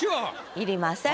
要りません。